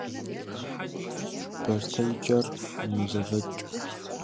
Бостеикӏэр йозэвэкӏ.